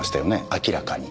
明らかに。